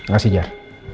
gak sih jar